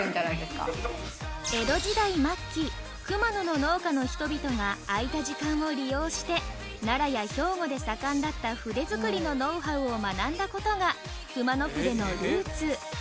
熊野の農家の人々が空いた時間を利用して奈良や兵庫で盛んだった筆作りのノウハウを学んだことが熊野筆のルーツ